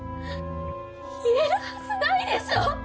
言えるはずないでしょ！